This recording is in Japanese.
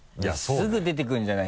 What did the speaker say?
すぐ出てくるじゃない。